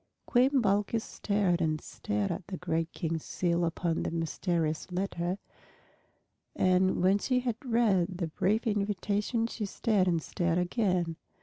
Queen Balkis stared and stared at the great King's seal upon the mysterious letter, and when she had read the brief invitation she stared and stared again.